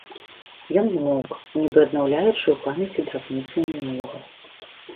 Ён змоўк, нібы аднаўляючы ў памяці драбніцы мінулага.